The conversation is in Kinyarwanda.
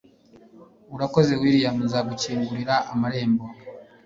urakoze, william. nzagukingurira amarembo